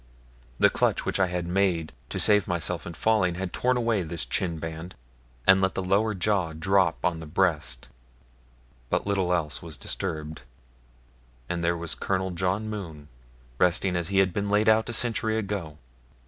The clutch which I had made to save myself in falling had torn away this chin band and let the lower jaw drop on the breast; but little else was disturbed, and there was Colonel John Mohune resting as he had been laid out a century ago.